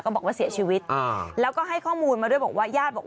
ก็บอกว่าเสียชีวิตแล้วก็ให้ข้อมูลมาด้วยบอกว่า